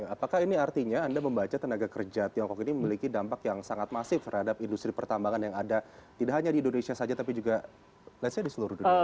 apakah ini artinya anda membaca tenaga kerja tiongkok ini memiliki dampak yang sangat masif terhadap industri pertambangan yang ada tidak hanya di indonesia saja tapi juga ⁇ lets ⁇ say di seluruh dunia